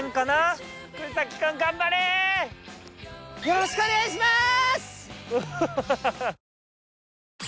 よろしくお願いします！